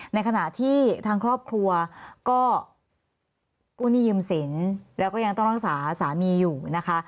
ในขณะที่ทางครอบครัวก็กู้หนี้ยืมสินแล้วก็ยังต้องรักษาสามีอยู่นะคะ